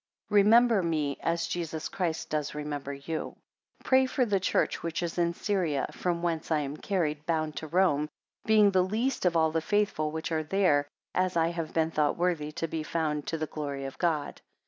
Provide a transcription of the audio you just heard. Remember me, as Jesus Christ does remember you. 18 Pray for the church which is in Syria from whence I am carried bound to Rome; being the least of all the faithful which are there, as I have been thought worthy to be found, to the glory of God.